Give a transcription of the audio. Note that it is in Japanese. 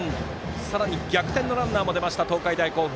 さらに逆転のランナーも出ました東海大甲府。